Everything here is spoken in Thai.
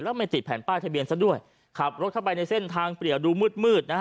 แล้วไม่ติดแผ่นป้ายทะเบียนซะด้วยขับรถเข้าไปในเส้นทางเปรียวดูมืดมืดนะฮะ